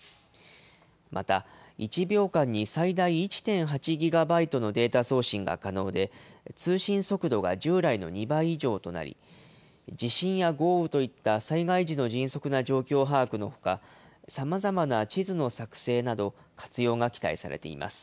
また、１秒間に最大１．８ギガバイトのデータ送信が可能で、通信速度が従来の２倍以上となり、地震や豪雨といった災害時の迅速な状況把握のほか、さまざまな地図の作製など、活用が期待されています。